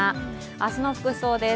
明日の服装です。